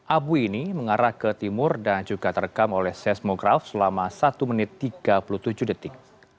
abu ini mengarah ke timur dan juga terekam oleh seismograf selama satu menit tiga puluh tujuh detik